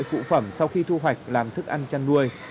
phụ phẩm sau khi thu hoạch làm thức ăn chăn nuôi